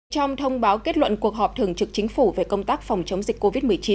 trong thông báo kết luận cuộc họp thường trực chính phủ về công tác phòng chống dịch covid một mươi chín